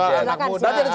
soal anak muda apa lagi